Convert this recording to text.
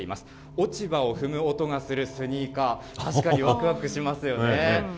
落ち葉を踏む音がするスニーカー、確かにわくわくしますよね。